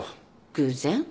偶然？